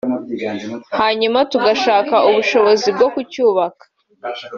hanyuma tugashaka ubushobozi bwo kucyubaka”